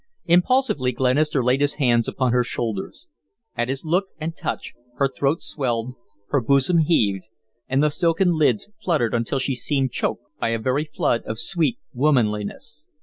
Impulsively Glenister laid his hands upon her shoulders. At his look and touch her throat swelled, her bosom heaved, and the silken lids fluttered until she seemed choked by a very flood of sweet womanliness.